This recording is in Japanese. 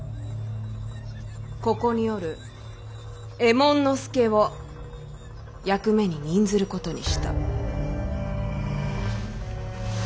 ここにおる右衛門佐を役目に任ずることにした。